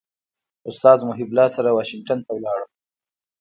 استاد محب الله سره واشنګټن ته ولاړم.